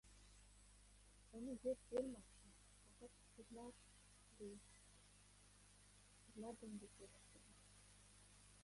Uni yeb bo‘lmasdi: faqat hidlardiyiz.